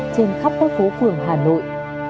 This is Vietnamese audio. trên khắp các phố phường hà nội